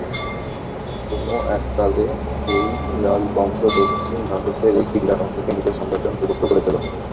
কোন এককালে এই রাজবংশ দক্ষিণ ভারতের একটি বিরাট অংশকে নিজের সাম্রাজ্যের অন্তর্ভুক্ত করেছিল।